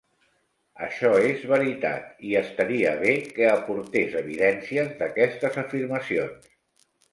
Això és veritat, i estaria bé que aportés evidències d'aquestes afirmacions.